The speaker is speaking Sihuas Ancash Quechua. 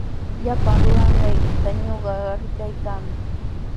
Llapan ruranqaykita ñuqa rikaykaami.